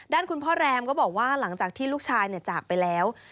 ด้านคุณพ่อแรมก็บอกว่าหลังจากที่ลูกชายจากไปแล้ว